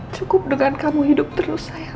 cukup dengan kamu hidup terus saya